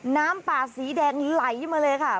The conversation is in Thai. น้ำป่าสีแดงไหลมาเลยค่ะ